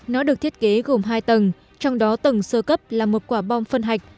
nó được thiết kế gồm hai tầng trong đó tầng sơ cấp là một quả bom phân hạch